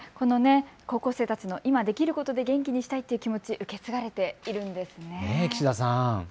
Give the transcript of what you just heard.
高校生たちの今できることで元気にしたいという気持ち、受け継がれているんですね。